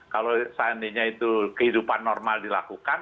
kalau seandainya itu kehidupan normal dilakukan